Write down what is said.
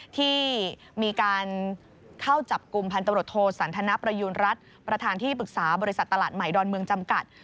ที่มีการเข้าจับกลุ่มพันธบทโทสันทนประยูณรัฐประธานที่ปรึกษาบริษัทตลาดใหม่ดอนเมืองจำกัด